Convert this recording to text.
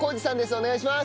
お願いします！